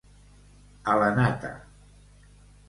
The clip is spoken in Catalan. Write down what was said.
A la nata.